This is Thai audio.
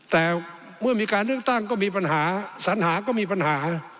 แต่เมื่อมีการเลือกตั้งก็มีปัญหาสัญหาก็มีปัญหา